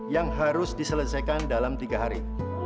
yang harus diselesaikan dalam tiga hari